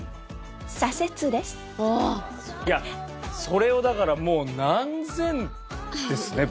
それをだからもう何千ですね